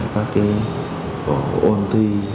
các cái bổ ôn thi